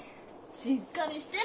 しっかりして！